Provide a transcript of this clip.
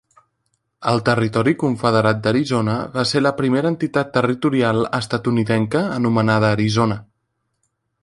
El Territori confederat d'Arizona va ser la primera entitat territorial estatunidenca anomenada Arizona.